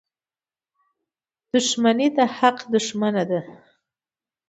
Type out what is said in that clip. • دښمني د حق دښمنه ده.